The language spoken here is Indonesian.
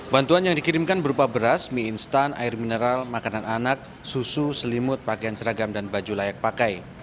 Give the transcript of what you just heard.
bantuan yang dikirimkan berupa beras mie instan air mineral makanan anak susu selimut pakaian seragam dan baju layak pakai